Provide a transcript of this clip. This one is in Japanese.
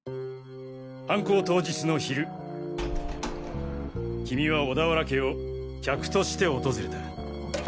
犯行当日の昼キミは小田原家を客として訪れた。